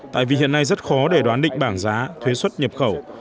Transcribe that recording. tại vì hiện nay rất khó để đoán định bảng giá thuế xuất nhập khẩu